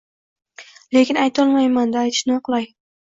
Lekin aytolmayman-da, aytish noqulay